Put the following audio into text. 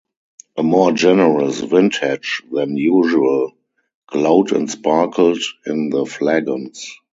A more generous vintage than usual glowed and sparkled in the flagons.